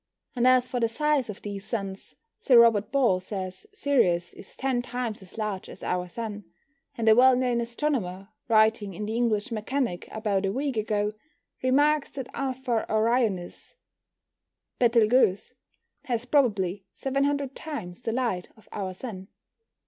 And as for the size of these suns, Sir Robert Ball says Sirius is ten times as large as our Sun; and a well known astronomer, writing in the English Mechanic about a week ago, remarks that Alpha Orionis (Betelgeuze) has probably 700 times the light of our Sun.